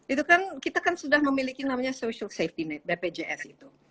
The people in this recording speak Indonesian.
itu kan kita kan sudah memiliki namanya social safety net bpjs itu